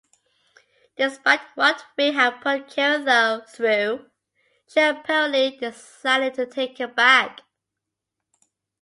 Despite what Rick had put Karen through, she apparently decided to take him back.